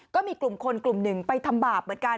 ก็มีกลุ่มคนกลุ่มหนึ่งไปทำบาปเหมือนกัน